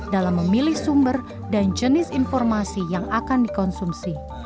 dalam memilih sumber dan jenis informasi yang akan dikonsumsi